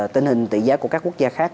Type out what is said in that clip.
tình hình tỉ giá của các quốc gia khác